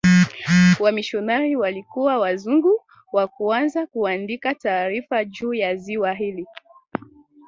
wamishionari walikuwa wazungu wa kwanza kuandika taarifa juu ya ziwa hili